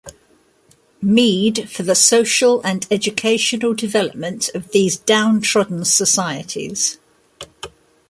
Mead for the social and educational development of these downtrodden societies.